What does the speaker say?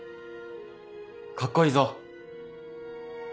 カッコいいぞ。